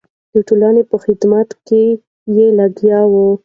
د ټولنې په خدمت کې یې ولګوئ.